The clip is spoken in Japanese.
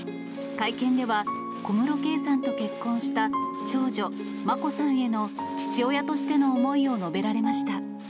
会見では、小室圭さんと結婚した長女、眞子さんへの父親としての思いを述べられました。